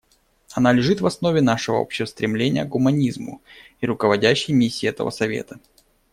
Она лежит в основе нашего общего стремления к гуманизму и руководящей миссии этого Совета.